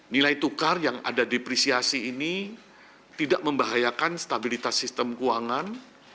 nilai tukar yang ada depresiasi ini tidak membahayakan stabilitas sistem keuangan